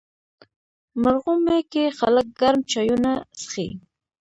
مرغومی کې خلک ګرم چایونه څښي.